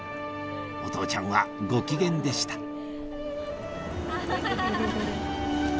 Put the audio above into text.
お父ちゃんはご機嫌でしたアハハハ！